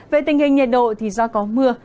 về tình hình nhiệt độ thì do có mưa